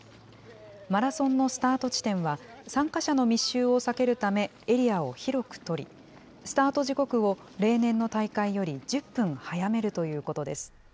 マラソンのスタート地点は、参加者の密集を避けるため、エリアを広く取り、スタート時刻を例年の大会より１０分早めるということです。